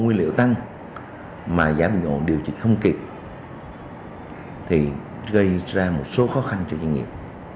nguyên liệu tăng mà giá bình ổn điều trị không kịp thì gây ra một số khó khăn cho doanh nghiệp